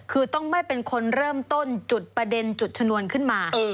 คือต้องไม่เป็นคนเริ่มต้นจุดประเด็นจุดชนวนขึ้นมา